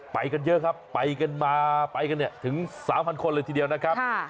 ไปกันเยอะครับไปกันมาไปกันเนี่ยถึง๓๐๐คนเลยทีเดียวนะครับ